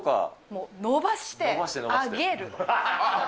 もう伸ばして上げる。